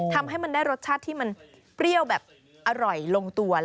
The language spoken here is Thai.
ทำให้มันได้รสชาติที่มันเปรี้ยวแบบอร่อยลงตัว